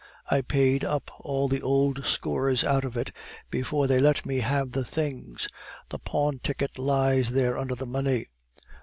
I paid up all the old scores out of it before they let me have the things. The pawn ticket lies there under the money."